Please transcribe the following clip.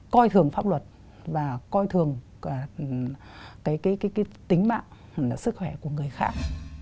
coi thường pháp luật và coi thường tính mạng sức khỏe của người khác